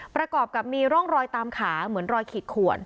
ประกอบร่องฝากตามขา